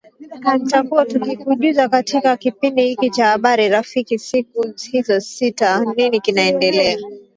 tutakuwa tukikujuza katika kipindi hiki cha habari rafiki siku hizo sita nini kinaendelea